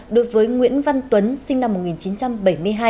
đối với nguyễn văn tuấn sinh năm một nghìn chín trăm bảy mươi hai